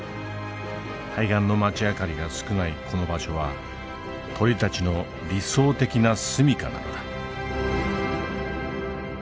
対岸の街明かりが少ないこの場所は鳥たちの理想的な住みかなのだ。